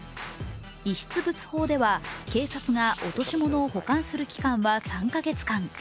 遺失物法では警察が落とし物を保管する期間は３か月間。